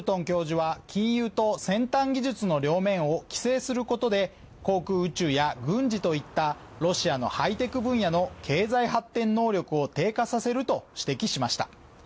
教授金融と先端技術の両面を規制することで航空宇宙や軍事といったロシアのハイテク分野の経済発展能力を低下させると指摘しました。